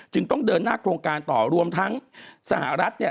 จึงต้องเดินหน้าโครงการต่อรวมทั้งสหรัฐ